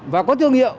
và có thương hiệu